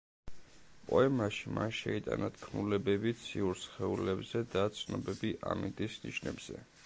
პოემაში მან შეიტანა თქმულებები ციურ სხეულებზე და ცნობები ამინდის ნიშნებზე.